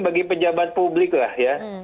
bagi pejabat publik lah ya